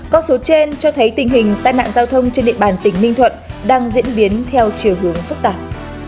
con số trên cho thấy tình hình tai nạn giao thông trên địa bàn tỉnh ninh thuận đang diễn biến theo chiều hướng phức tạp